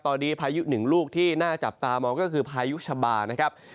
ตอนนี้พายุหนึ่งลูกที่น่าจับตามองก็คือพายุชะบานะครับ